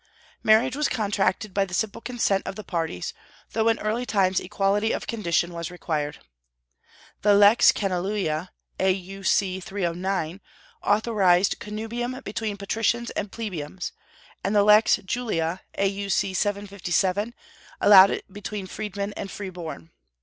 Marriage was contracted by the simple consent of the parties, though in early times equality of condition was required. The lex Canuleia, A.U.C. 309, authorized connubium between patricians and plebeians, and the lex Julia, A.U.C. 757, allowed it between freedmen and freeborn.